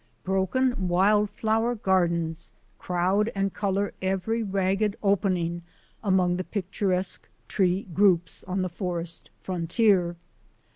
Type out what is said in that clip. Broken wild flower gardens crowd and colour every ragged opening among the picturesque tree groups on the forest frontier.